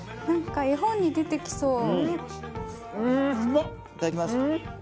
絵本に出てきそう。